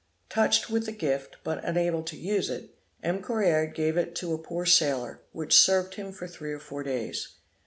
Touched with the gift, but unable to use it, M. Correard gave it to a poor sailor, which served him for three or four days.